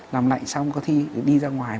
làm lại xong có khi đi ra ngoài